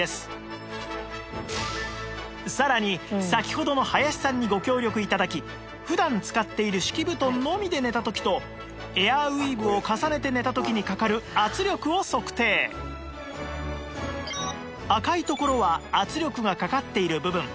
さらに先ほどの林さんにご協力頂き普段使っている敷き布団のみで寝た時とエアウィーヴを重ねて赤いところは圧力がかかっている部分